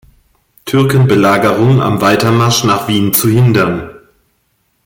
Türkenbelagerung am Weitermarsch nach Wien zu hindern.